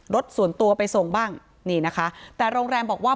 รถส่วนตัวไปส่งบ้างนี่นะคะแต่โรงแรมบอกว่า